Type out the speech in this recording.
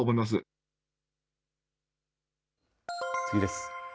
次です。